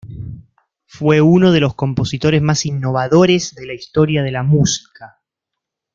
Fue uno de los compositores más innovadores de la historia de la música.